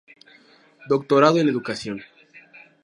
Doctorado en Educación.